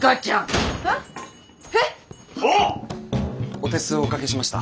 お手数お掛けしました。